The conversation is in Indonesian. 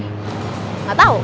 kapan kita ketemu lagi